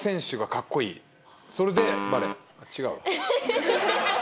違う。